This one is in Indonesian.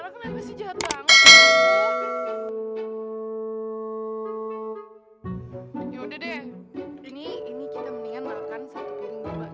udah deh ini ini kita mendingan makan satu piring